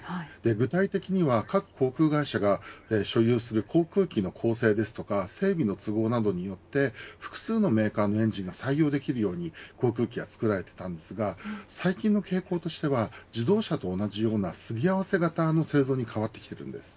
具体的には、各航空会社が所有する航空機の構成ですとか整備の都合などによって複数のメーカーのエンジンが採用できるように航空機は作られていたんですが最近の傾向としては自動車と同じようなすりあわせ型の製造に変わってきているんです。